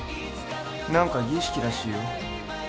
何か儀式らしいよ